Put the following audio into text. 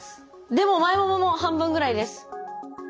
でも前ももも半分ぐらいです。